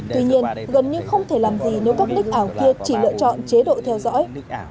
tuy nhiên gần như không thể làm gì nếu các đích ảo kia chỉ lựa chọn chế độ theo dõi